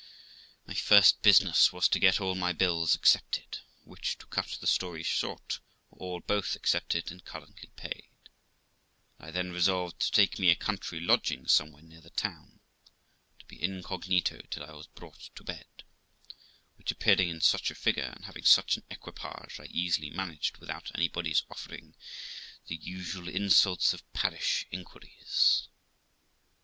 My first business was to get all my bills accepted, which, to cut the story short, were all both accepted and currently paid ; and I then resolved to take me a country lodging somewhere near the town, to be incognito till I was brought to bed; which, appearing in such a figure and having such an equipage, I easily managed without anybody's offering the usual insults of parish inquiries.